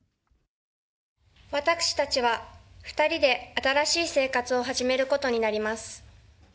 私たちは２人で新しい生活を始めることになります。